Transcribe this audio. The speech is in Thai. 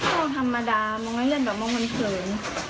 มองธรรมดามองไม่เล่นแบบมองเขิน